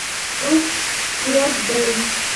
اوښ پروت دے